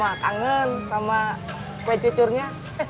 kang mah kangen sama kue cucurnya